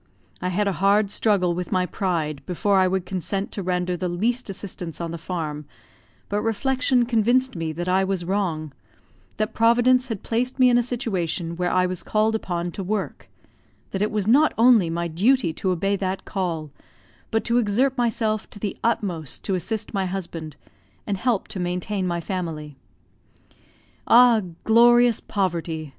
I had a hard struggle with my pride before I would consent to render the least assistance on the farm, but reflection convinced me that I was wrong that Providence had placed me in a situation where I was called upon to work that it was not only my duty to obey that call, but to exert myself to the utmost to assist my husband, and help to maintain my family. Ah, glorious poverty!